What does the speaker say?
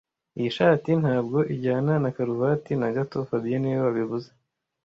Iyi shati ntabwo ijyana na karuvati na gato fabien niwe wabivuze